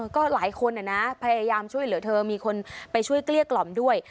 ก็หลายคนนะพยายามช่วยเหลือเธอมีคนไปช่วยเกลี้ยกล่อมด้วย